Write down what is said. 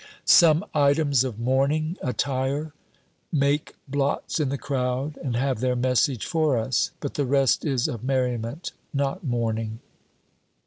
Some items of mourning attire make blots in the crowd and have their message for us, but the rest is of merriment, not mourning.